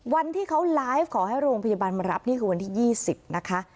วันที่เขาไลฟ์ขอให้โรงพยาบาลมารับนี่คือวันที่๒๐นะคะ